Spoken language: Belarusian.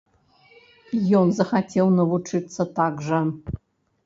Ён захацеў навучыцца так жа.